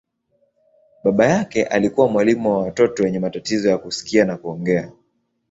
Baba yake alikuwa mwalimu wa watoto wenye matatizo ya kusikia na kuongea.